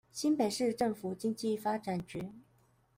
新北市政府經濟發展局